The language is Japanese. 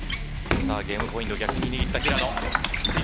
さあ、ゲームポイント、逆に握った平野。